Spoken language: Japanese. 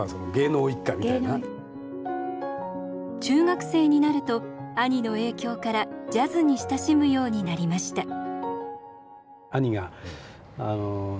中学生になると兄の影響からジャズに親しむようになりました。